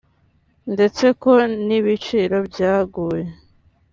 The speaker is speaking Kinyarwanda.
ndetse ko n’ibiciro byaguye